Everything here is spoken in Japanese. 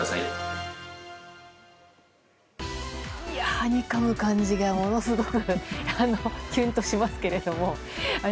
はにかむ感じが、ものすごくきゅんとしますけれども。